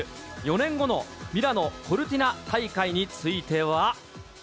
４年後のミラノ・コルティナ大会については。